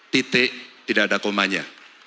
titik tidak ada komanya